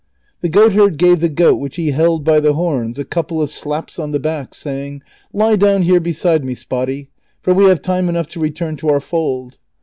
The goatherd gave the goat which he held by the horns a couple of slaps on the back, saying, " Lie down here beside me, Spotty, for we have time enough to return to our fold."